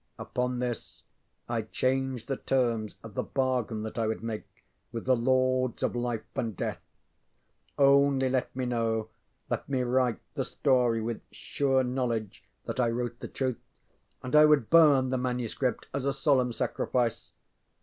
Upon this I changed the terms of the bargain that I would make with the Lords of Life and Death. Only let me know, let me write, the story with sure knowledge that I wrote the truth, and I would burn the manuscript as a solemn sacrifice.